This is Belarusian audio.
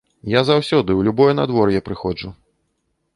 Я заўсёды, у любое надвор'е прыходжу.